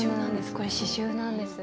これも刺しゅうなんですか。